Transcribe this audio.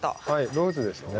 ローズですね。